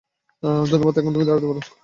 ধন্যবাদ এখন তুমি দাড়াতে পারো।